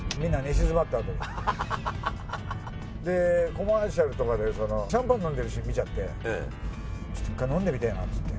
コマーシャルとかでシャンパン飲んでるシーン見ちゃって１回飲んでみたいなって。